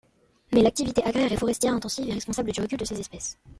Mais l'activité agraire et forestière intensive est responsable du recul de ces espèces.